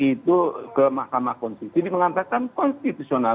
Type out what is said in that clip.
itu ke mahkamah konstitusi ini melantarkan konstitusional